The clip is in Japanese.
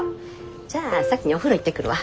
じゃあ先にお風呂行ってくるわ。